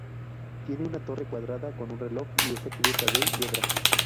Tiene una torre cuadrada con un reloj y está cubierta de hiedra.